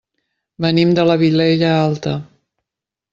Venim de la Vilella Alta.